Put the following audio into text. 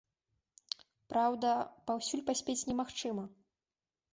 Праўда, паўсюль паспець немагчыма.